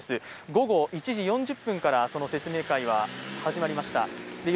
午後１時４０分から説明会は始まりました。